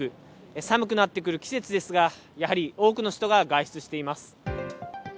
寒くなってくる季節ですが、やはり多くの人が外出しています。